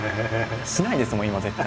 しないですもん今絶対。